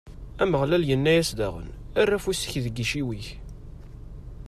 Ameɣlal inna-as daɣen: Err afus-ik deg iciwi-k.